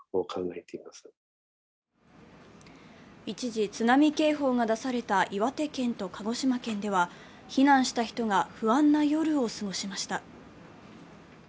一時、津波警報が出された岩手県と鹿児島県では避難した人が不安な夜を過ごしました。